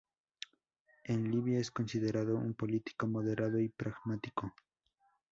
En Libia es considerado un político moderado y pragmático.